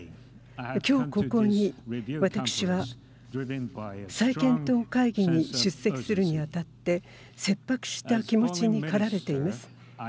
きょう、ここに私は再検討会議に出席するに当たって切迫した気持ちにかられています。